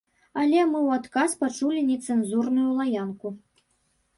Але мы ў адказ пачулі нецэнзурную лаянку.